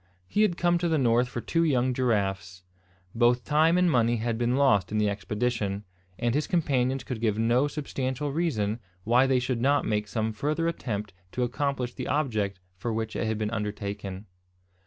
He had come to the north for two young giraffes. Both time and money had been lost in the expedition, and his companions could give no substantial reason why they should not make some further attempt to accomplish the object for which it had been undertaken.